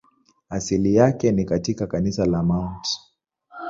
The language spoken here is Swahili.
Asili yake ni katika kanisa la Mt.